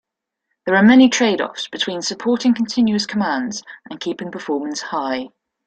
There are many trade-offs between supporting continuous commands and keeping performance high.